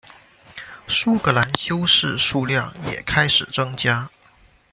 苏格兰修士数量也开始增加。